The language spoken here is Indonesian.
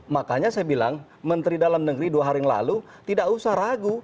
makanya saya bilang menteri dalam negeri dua hari yang lalu tidak usah ragu